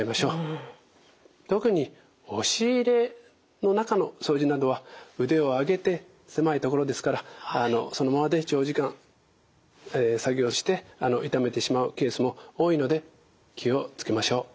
特に押し入れの中の掃除などは腕を上げて狭い所ですからそのままで長時間作業して痛めてしまうケースも多いので気を付けましょう。